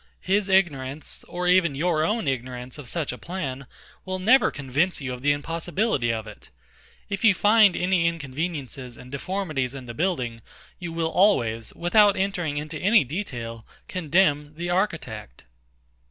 His ignorance, or even your own ignorance of such a plan, will never convince you of the impossibility of it. If you find any inconveniences and deformities in the building, you will always, without entering into any detail, condemn the architect.